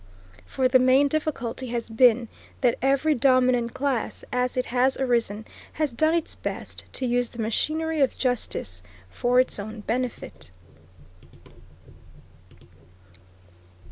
For the main difficulty has been that every dominant class, as it has arisen, has done its best to use the machinery of justice for its own benefit.